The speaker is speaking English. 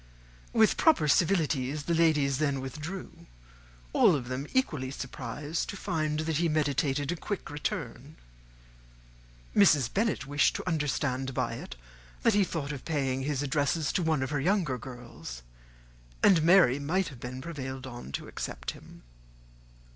With proper civilities, the ladies then withdrew; all of them equally surprised to find that he meditated a quick return. Mrs. Bennet wished to understand by it that he thought of paying his addresses to one of her younger girls, and Mary might have been prevailed on to accept him.